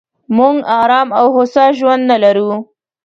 موږ ارام او هوسا ژوند نه لرو.